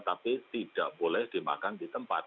tapi tidak boleh dimakan di tempat